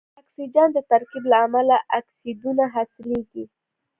د اکسیجن د ترکیب له امله اکسایدونه حاصلیږي.